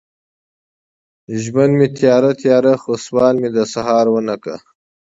ژوند مې تیاره، تیاره، خو سوال مې د سهار ونه کړ